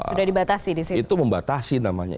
sudah dibatasi itu membatasi namanya